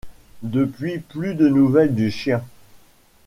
Depuis plus de nouvelles du chien.